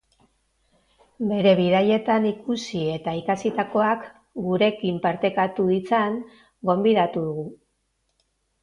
Bere bidaietan ikusi eta ikasitakoak gurekin partekatu ditzan gonbidatu dugu.